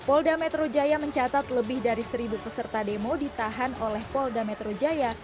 polda metro jaya mencatat lebih dari seribu peserta demo ditahan oleh polda metro jaya